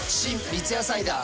三ツ矢サイダー』